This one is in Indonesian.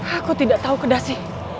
aku tidak tahu kedasi